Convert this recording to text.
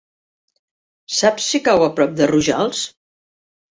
Saps si cau a prop de Rojals?